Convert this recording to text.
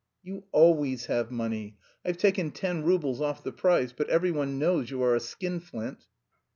"You always have money. I've taken ten roubles off the price, but every one knows you are a skinflint."